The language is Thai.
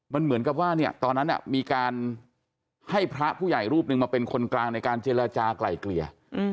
มันเหมือนกับว่าตอนนั้นมีการให้พระผู้ใหญ่รูปหนึ่งมาเป็นคนกลางในการเจรจากลายเกลี่ย